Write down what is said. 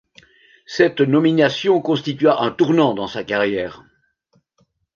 Cette nomination constitua un tournant dans sa carrière.